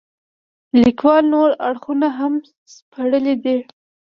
لیکوال نور اړخونه هم سپړلي دي.